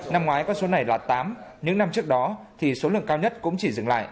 năm ngoái con số này là tám những năm trước đó thì số lượng cao nhất cũng chỉ dừng lại